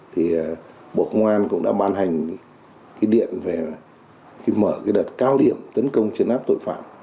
thì bộ công an cũng đã ban hành cái điện về mở cái đợt cao điểm tấn công chấn áp tội phạm